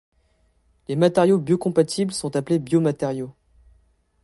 Les matériaux biocompatibles sont appelés biomatériaux.